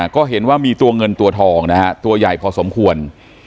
ก็เห็นว่ามีตัวเงินตัวทองนะฮะตัวใหญ่พอสมควร